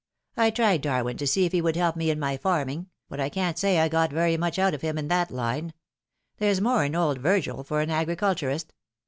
I tried Darwin to see if he would help me in my farming, but I can't say I got very much out of him in that line. There's more in old Virgil for an agriculturist.